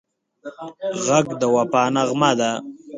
غږ د وفا نغمه ده